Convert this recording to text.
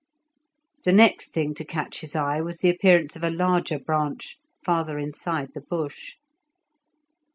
The next thing to catch his eye was the appearance of a larger branch farther inside the bush.